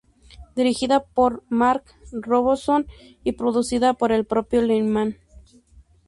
Dirigida por Mark Robson y producida por el propio Lehman.